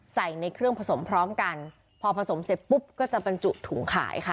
ใส่ในเครื่องผสมพร้อมกันพอผสมเสร็จปุ๊บก็จะบรรจุถุงขายค่ะ